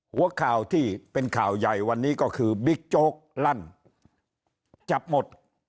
หัวข่าวที่เป็นข่าวใหญ่วันนี้ก็คือบิ๊กโจ๊กลั่นจับหมด